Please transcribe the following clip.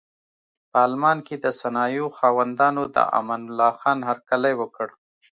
په المان کې د صنایعو خاوندانو د امان الله خان هرکلی وکړ.